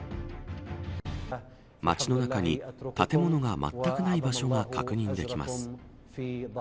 街の中に、建物がまったくない場所が確認できます。